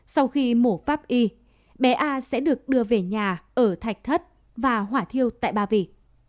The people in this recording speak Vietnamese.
sau khi mổ pháp y bé a sẽ được đưa về nhà ở thạch thất và hỏa thiêu tại ba vị